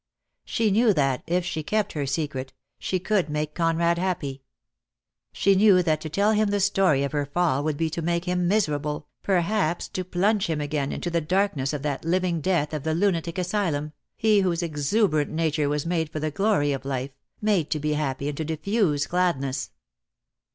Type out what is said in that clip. She knew that, if she kept her secret, she could make Conrad happy. She knew that to tell him the story of her fall would be to make him miserable, perhaps to plunge him again into the darkness of that living death of the lunatic DEAD LOVE HAS CHAINS. 2^^ asylum, he whose exuberant nature was made for the glory of life, made to be happy and to diffuse gladness.